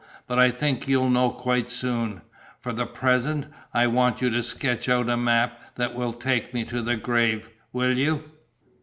"But I think you'll know quite soon. For the present, I want you to sketch out a map that will take me to the grave. Will you?"